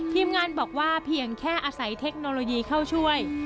ทีมงานบอกว่าเพียงแค่อาศัยเทคโนโลยีเข้าช่วย